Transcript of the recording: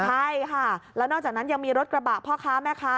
ใช่ค่ะแล้วนอกจากนั้นยังมีรถกระบะพ่อค้าแม่ค้า